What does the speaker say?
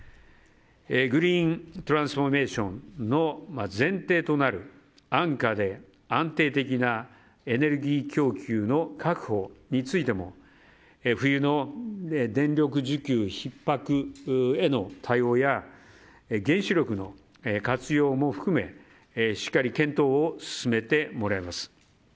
グリーントランスフォーメーションの前提となる安価で安定的なエネルギー供給の確保についても冬の電力需給ひっ迫への対応や原子力への活用も含めしっかり検討を進めてもらいます。